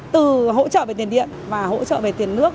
từ hỗ trợ về tiền điện và hỗ trợ về tiền nước